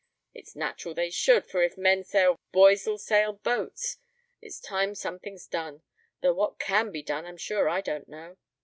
It's natural they should; for if men sail vessels, boys'll sail boats. It's time something's done, though what can be done I'm sure I don't know.